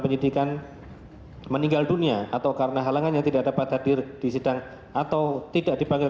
penyidikan meninggal dunia atau karena halangannya tidak dapat hadir di sidang atau tidak dipanggil